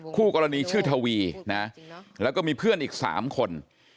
คู่กรณีชื่อทวีนะแล้วก็มีเพื่อนอีก๓คน